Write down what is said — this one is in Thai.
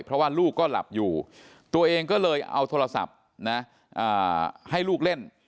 เพราะว่าลูกก็หลับอยู่ตัวเองก็เลยเอาโทรศัพท์นะให้ลูกเล่น